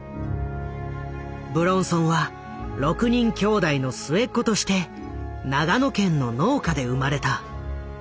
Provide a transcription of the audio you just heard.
武論尊は６人きょうだいの末っ子として長野県の農家で生まれた。